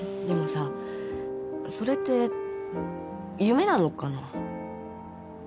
でもさそれって夢なのかな？